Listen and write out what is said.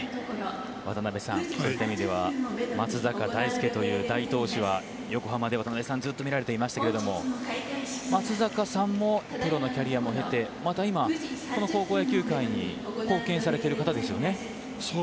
渡辺さん、そういった意味では松坂大輔という大投手を横浜で渡辺さんは見られてこられましたが松坂さんもプロのキャリアを経てまた高校野球界に貢献されている方ですよね。